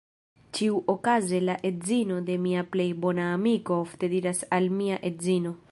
Ĉiuokaze la edzino de mia plej bona amiko ofte diras al mia edzino: